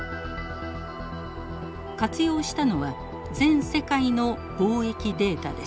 活用したのは全世界の貿易データです。